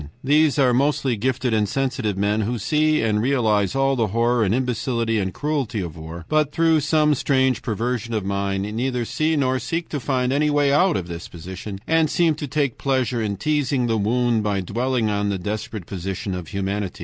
These are mostly gifted and sensitive men, who see and realize all the horror and imbecility and cruelty of war, but through some strange perversion of mind neither see nor seek to find any way out of this position, and seem to take pleasure in teasing the wound by dwelling on the desperate position of humanity.